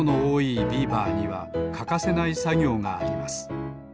ビーバーにはかかせないさぎょうがあります。